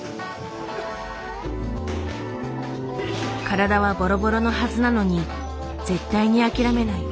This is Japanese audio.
体はボロボロのはずなのに絶対に諦めない。